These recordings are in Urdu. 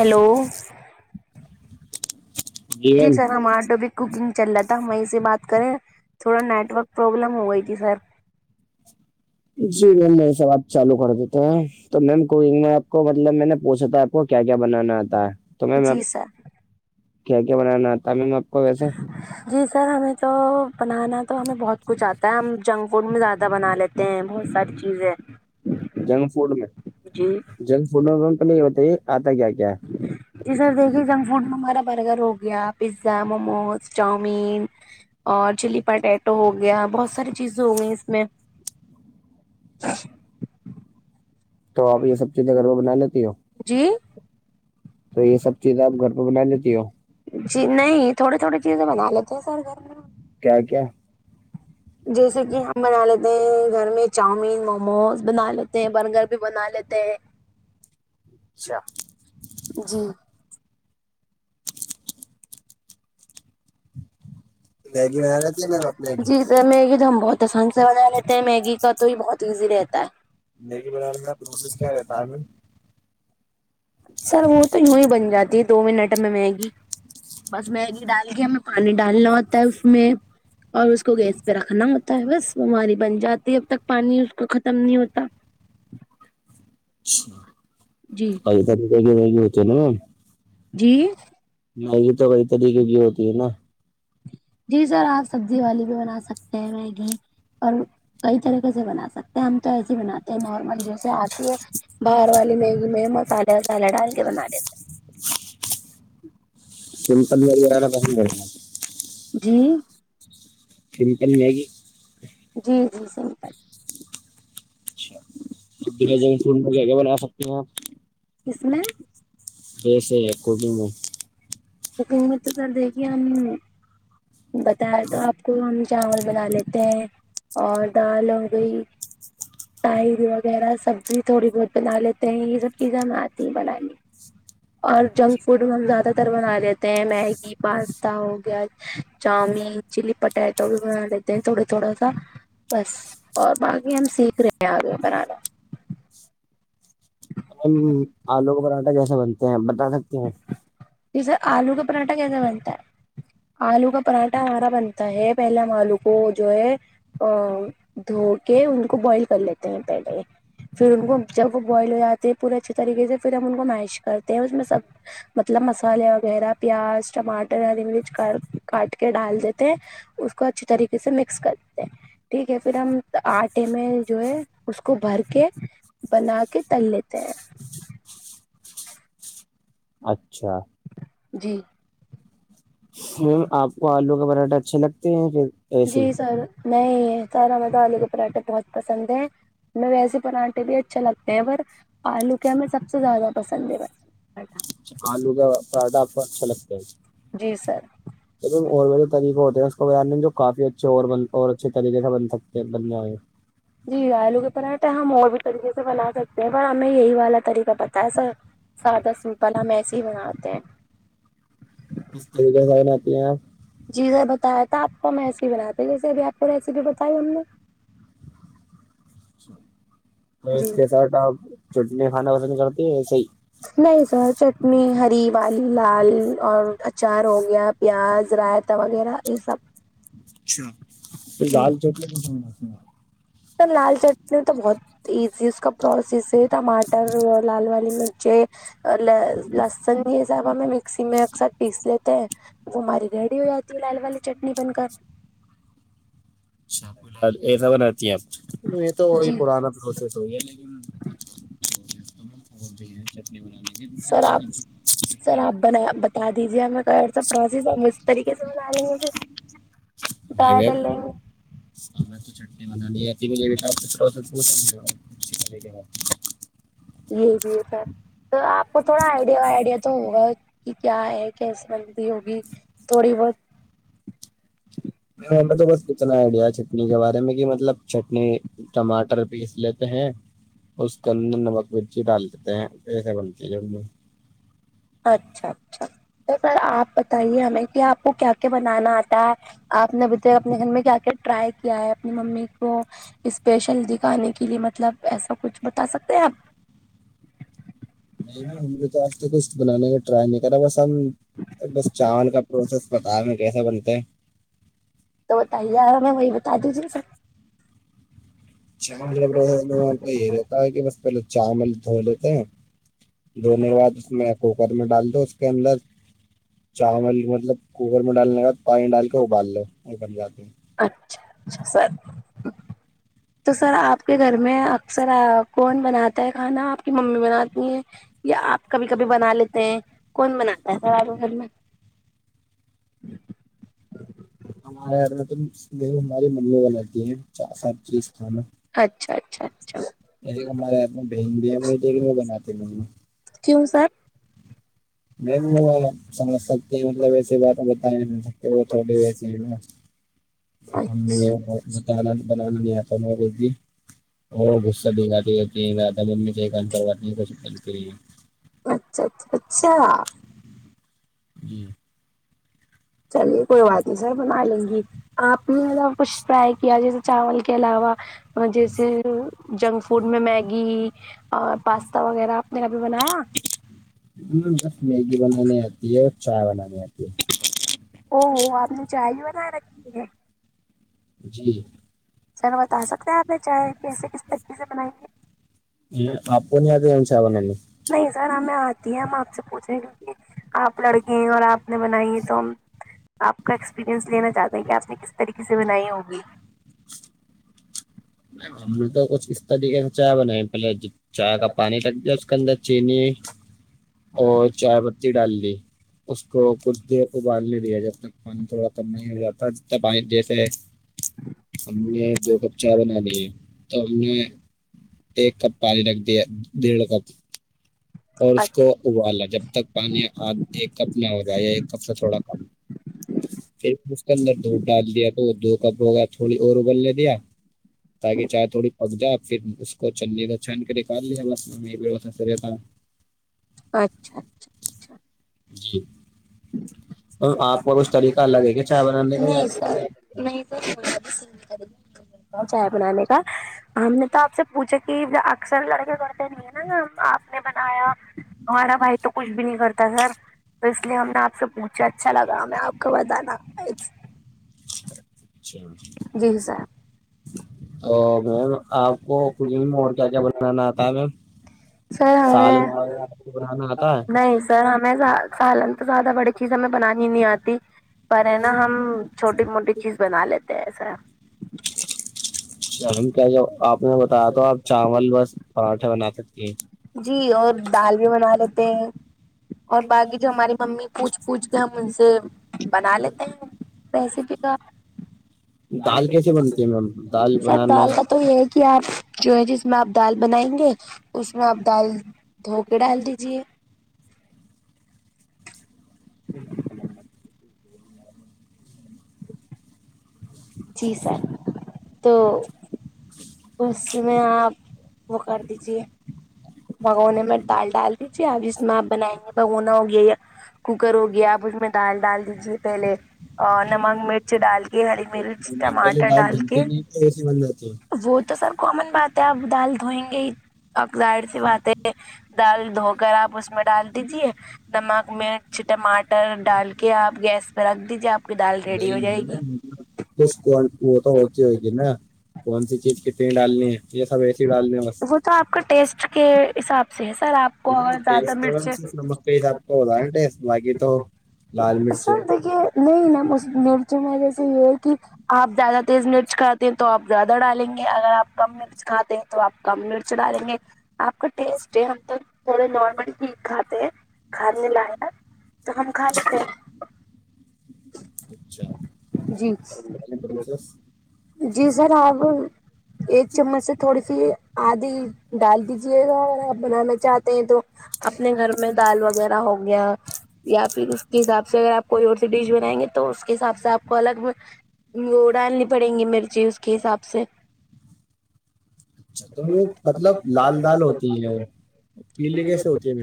ہیلو [inaudible] [unintelligible] جی سر ہمار آٹو بھی کوکنگ چل رہا تھا وہیں سے بات کریں تھوڑا نیٹورک پروابلم ہو گئی تھی سر [unintelligible] جی م نہیں س بات [unintelligible] چالو کر دیتے ہیں تو میم کوکنگ میں آپ کو مطلب میں نے پوچھا تھا آپ کو کیا کیا بنانا آتا ہے تو میم جی سر کیا کیا بنانا آتا میم آپ کو ویسے جی سر ہمیں تو بنانا تو ہمیں بہت کچھ آتا ہے ہم جنک فوڈ میں زیادہ بنا لیتے ہیں بہت ساری چیزیں جنک فوڈ میں جی جنک فوڈ میں پہلے بتائیے آتا کیا کیا ہے جی سر دیکھیے جنک فوڈ میں ہمارا برگر ہو گیا پیزا موموز چاؤمین اور چلی پٹیٹ ہو گیا بہت ساری چیزیں ہو گئی اس میں تو آپ یہ سب چیزیں گھر میں بنا لیتی ہو جی تو یہ سب چیزیں آپ گھر پہ بنا لیتی ہو جی نہیں تھوڑے تھوڑی چیزیں بنا لیتے ہیں سر گھر میں کیا کیا جیسے کہ ہم بنا لیتے ہیں گھر میں چاؤمین موموز بنا لیتے ہیں برگر بھی بنا لیتے ہیں اچھا جی میگی بنا رہی تھی میم آپ میگی جی سر میگی تو ہم بہت تو سن سے بنا لیتے ہیں میگی کا تو ہی بہت ایزی رہتا ہے میگی بنانا بنانے تھا کا پروسیس کیا رہتا ہے آ میم سر وہ تو یوں ہی بن جاتی دو منٹ ہمیں میگی بس میگی ڈال کے ہمیں پانی ڈالنا ہوتا ہے اس میں اور اس کو گیس پہ رکھنا ہوتا ہے بس ہماری بن جاتی اب تک پانی اس کو ختم نہیں ہوتا اچھا جی [inaudible] جی [inaudible] جی سر آپ سبزی والی بھی بنا سکتے ہیں میگی اور کئی طریقے سے بنا سکتے ہیں ہم تو ایسے ہی بناتے ہیں نارمل جیسے آتی ہے باہر والی میگی میں مسالہ وسالاہ ڈال کے بنا لیتے ہیں سمپل وغیرہ بسندا جی سمپل میگی جی جی سمپل [inaudible] بنا سکتے ہیں آپ کس میں ایسے کوکنگ میں کوکنگ میں تو سر دیکھیے ہم بتائے تو آپ کو ہم چاول بنا لیتے ہیں اور دال ہو گئی راعس وغیرہ سبزی تھوڑی بہت بنا لیتے ہیں یہ سب چیزیں ہم آتی ہیں بنانے اور جنک فوڈ ہم زیادہ تر بنا لیتے ہیں میگی پاستا ہو گیا چاؤمین چلی پٹیٹو بھی بنا لیتے تھوڑا تھوڑا سا بس اور باقی ہم سیکھ رہے ہیں آگے بنانا ہم آلو کا پراٹھا کیسا بنتے ہیں بتا سکتے ہیں جیسے آلو کا پراٹھا کیسا بنتا ہے آلو کا پراٹھا ہمارا بنتا ہے پہلے ہم آلو کو جو ہے دھو کے ان کو بوائل کر لیتے ہیں پہلے پھر ان کو جب وہ بوائل ہو جاتی ہے پورے اچھے طریقے سے پھر ہم ان کو میش کرتے ہیں اس میں سب مطلب مسالے وغیرہ پیاز ٹماٹر ہری مرچ کاٹ کے ڈال دیتے اس کو اچھی طریقے سے مکس کرتے ہیں ٹھیک ہے پھر ہم آٹے میں جو ہے اس کو بھر کے بنا کے تل لیتے ہیں اچھا جی میم آپ کو آلو کا پراٹھا اچھے لگتے ہیں پھر ایسے جی ہی سر نہیں ہے سارا مزہ آالو کے پراٹھے بہت پسند ہیں ہمیں ویسے پراھے بھی اچھا لگتے ہیں پر آلو کے ہمیں سب سے زیادہ پسند ہے بٹٹ چ آلو کا پراٹھا آپ کو اچھا لگتا ہے جی سر چ اور بڑے طریق ہوتے ہیں اس کو باننے جو کافی اچھے اور ب اچھے طریقے سے بن سکتے بن ج جی آلو کے طحٹ ہے ہم اور بھی طریقے سے بنا سکتے ہیں پر ہمیں یہی والا طریقہ بتا ہے سر سیاادہ سمپل ہم ایسے ہی بناتے ہیں اس طریقے سن آتی ہیں آپ جی سر بتایا تھا آپ کو ہم ایسی ہی بناتے ہیں جیسے ابھی آپ کو ریسیپی بتائی ہم نے جی کے سر آپ چٹنی خھانڈا پسند کرتی ہے صی نہیں سر چ میں ہری والی لال اور اچار ہو گیا پیاز رائت وغیرہ یہ سب اچھا پھر جی دال چوکلے ک تو لال چٹنی تو بہت ایزی اس کا پروسیس ہے ٹماٹر لال والی مرچے ل لسن گی ب ہمیں مکسی میں اکثر پیس لیتے ہیں وہ ہماری ریڈی ہو جاتی ہے لال والی چٹنی بن کر اچھا سب نہیںتیپ یہ تو جی پان کوشش ہو ہے لیکن بھی چٹنی بنانے سر آپ جتی سر آپ بنا بتا دیجیے س پروسیس اس طریقے سے بنا لیں گ مھے م وب ہاں میں تو چٹنی بنتی م بھی تھم جی جی سر تو آپ کو تھوڑا آئیڈیا وئیڈیا تو ہوگا کہ کیا ہے کیس مندی ہوگی تھوڑی بہت میں ہو تو بس اتنا آئیڈیا چٹنی کے بارے میں کہ مطلب چٹنی ٹماٹر پیس لیتے ہیں اس کے اندر نمک مرچی ڈال دیتے ہیں کیسے بنتی ہے اچھا اچھا تو سر آپ بتائیے ہمیں کہ آپ کو کیا کیا بنانا آتا ہے آپ نے بتاائی اپنے گھر میں کیا کے ٹرائی کیا ہے اپنی ممی کو اسپیشل دکھانے کے لیے مطلب ایسا کچھ بتا سکتے ہیں آپ [inaudible] نہیں ہمے تو آج تو کچھ بنانا ہے ٹرائی نہیں کرا بس ہم بس چاول کا پروسیس بتا ہم کیسا بنتا ہے تو بتائیا میں وہی بتا دیجی سب چاول جب وہاں تو یہی رہتا ہے کہ بس پہلے چاول دھو لیتے ہیں دھونے کے بعد اس میں کوکر میں ڈال دو اس کے اندر چاول مطلب کوکر میں ڈالنے کا بد پانی ڈال کے ابال لو اور ب جاتے اچھا اچھا سر تو سر آپ کے گھر میں اکثر آ کون بناتا ہے کھانا آپ کی ممی بناتی ہیں یا آپ کبھی کبھی بنا لیتے ہیں کون بناتا ہے سر آپ گھر میں ہمارے اد توو ہماری ممیوں والتی ہیں سب چیز کھانا اچھا اچھا اچھا ایک ہمارے ہات میں بہن بھی ب تھے کہ وہ بناتے ب کیوں سر نہیں وہ سمجھ سکتے ہیں مطلب ایسی بات بتائ کہ وہ تھوڑی ویسی ہے نا دکانات بنانا نہیں آتا بھی اور غصہ دکھاتی آ ممی سے کان پروات نہیں کر سکتا اچھا اچھا اچھا جی چلیے کوئی بات نہیں سر بنا لیں گی آپ نے مطلب کچھ فرائی کیا جیسے چاول کے علاوہ جیسے جنک فوڈ میں میگی اور پاستا وغیرہ آپ نے کبھی بنایا ہ بس میگی بنانانی آتی ہے اور چائے بنانی آتی ہے او ہو آپ نے چائے ہی بنا رکھی ہے جی سر بتا سکتے ہیں آپ یہ چائے کیسے کس طریقے سے بنائیں گے اپ کو نہی آتی چائے بناتی نہیں سر ہمیں آتی ہے ہم آپ سے پوچھیں گے آپ لڑکی ہیں اور آپ نے بنائی ہے تو آپ کا ایکسپیریئنس لینا چاہتے ہیں کہ آپ نے کس طریقے سے بنائی ہوگی ہم نے تو کچھ اس طریقے سے چائے بنائی پہلے جب چائے کا پانی لگ دیا اس کے اندر چینی اور چائے پتی ڈال دی اس کو کچھ دیر ابال ل رہیا جب تک پانی تھوڑا کم نہیں ہو جاتاب جیسے ہم نے یہ دو کپ چا بنا لی ہے تو ہم نے ایک کپ پانی رکھ دیا ڈیڑھ کپ اور اس کو ابالا جب تک پانی آ ایک کپ نہ ہو جائے ایک کپ سے تھوڑا کم پھر اس کے اندر دودھ ڈال دیا تو وہ د کپ ویر تھوڑی اور ابلنےے دیا تاکہ چائے تھوڑی پک جائے پھر اس کو چنی کا چھن کے نکال لیا بس مہتس رہتا اچھا اچھا جی اور آپ کو ک طریقہ الگ ہے کہ چائے بنانے کا نہیں آپ سر نہیں تو چائے بنانے کا ہم نے تو آپ سے پوچھا کہ اکثر لڑکے لڑتے نہیں ہیں نا آپ نے بنایا ہمارا بھائی تو کچھ بھی نہیں کرتا سر تو اس لیے ہم نے آپ سے پوچھا اچھا لگا ہمیں آپ کو بتانا اچھا جی سر تو میم آپ کو ککنگ میں اور کیا کیا بنانا آتا ہے میم سر سالن ہمیں وغیرہ بنانا آتا نہیں سر ہمیں سالن تو زیادہ بڑے چیز ہمیں بنانی نہیں آتی پر ہے نا ہم چھوٹی موٹی چیز بنا لیتے ہیں ایسا ہم کیا آپ نے بتایا تو آپ چاول بس پراٹھا بنا سک کہ جی اور دال بھی بنا لیتے ہیں اور باقی جو ہماری ممی پوچھ پوچھ کے ہم ان سے بنا لیتے ہیں ویسے بھی کا دال کیسے بنتی ہے میم دال سر بنانا سوال کا تو یہ ہے کہ آپ جو ہے جس میں آپ دال بنائیں گے اس میں آپ دال دھو کے ڈال دیجیے ہ [unintelligible] ول بے [unintelligible] ہ [inaudible] جی سر تو اس میں آپ وہ کر دیجیے بگونے میں دال ڈال دیجیے اب ج میں آپ بنائیں گے بگونا ہو گیا یہ کوکر ہو گیا آپ اس میں دال ڈال دیجیے پہلے اور نمک مرچ ڈال کے ہری مرچ پہلے ٹماٹر دال ڈال دھلتے کے نہیں تو ایسے بن جاتی ہے وہ تو سر کامن بات ہے آپ دال دھوئیں گے ہی آکزائڈ سی بات ہے دال دھو کر آپ اس میں ڈال دیجے نمک مرچ ٹماٹر ڈال کے آپ گیس پہ رکھ دیجیے آپ کی دال ریڈی نہیں ہو جائے گی نہیں کچھ وہ تو ہوتی ہوئے گی نا [inaudible] کون سی چیز کتنی ڈالنی ہے یہ سب ایسی ڈالنی ہے بس وہ تو آپ کا ٹیسٹ کے حساب سے ہے سر آپ کو اگر زیادہ ٹیسٹ تو مرچ صرف نمک کے آپ کو ہوتاا ٹیسٹ باقی تو [inaudible] ا مرچیں سل دیکھیے نہیں نا مرچ میں جیسے یہ ہے کہ [inaudible] آپ زیادہ تیز مرچ کھاتے ہیں تو آپ زیادہ ڈالیں گے اگر آپ کم مرچ کھاتے ہیں تو آپ کم مرچ ڈالیں گے آپ کا ٹیسٹ ہے ہم تو تھوڑا نارمل ہی کھاتے ہیں کھانے لائق [inaudible] تو ہم کھا لیتے اچھا [inaudible] جی اچھا جی سر آپ ایک چمچ سے تھوڑی سی آدھی ڈال دی اگر آپ بنانا چاہتے ہیں تو اپنے گھر میں دال وغیرہ ہوگی یا یا پھر اس کے حساب سے اگر آپ کوئی اور سی ڈش بنائیں گے تو اس کے حساب سے آپ کو الگ وہ ا ڈالنی پڑیں گی مرچی اس کے حساب سے اچھا تو وہ مطلب لال دال ہوتی ہے ن وہ پیلے کیسے ہوتے ہیں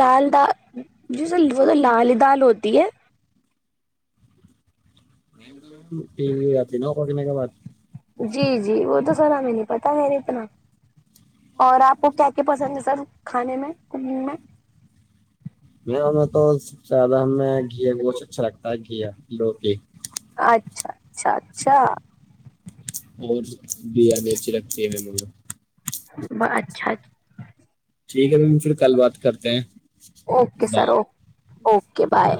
لال دا جیسے وہ س لال دال ہوتی ہے پری ہو جاتی نوک کہنے کے بات [inaudible] جی جی وہ تو سر ہمیں نہیں پتا خیر اتنا اور آپ کو کیا کیا پسند ہے سر کھانے میں کوکنگ میں م میں تو زیادہ ہم گھی گوچھ اچھا لگتا ہے گھییا لو کی [inaudible] اچھا اچھا اچھا اور بیاانی اچھی لگتی ہے م مھ [inaudible] اچھاچ [inaudible] ٹھیک ہے میم پھر کل بات کرتے ہیں اوکے بائے سر ا اوکے بائے